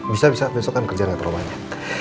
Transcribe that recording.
bisa bisa besok kan kerja nggak terlalu banyak